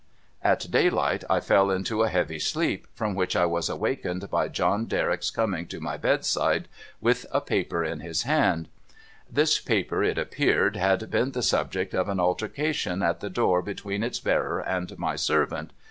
At dayli^^ht I fell into a heavy sleep, from whic h I was awakened l)y John Derrick's coming to my bedside with a ])ai)er in his hand. This paper, it appeared, had been the subject of an altercation at the door between its bearer and my servant.